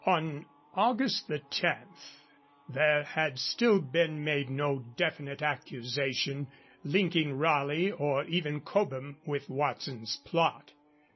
On August 10 there had still been made no definite accusation linking Raleigh or even Cobham with Watson's plot.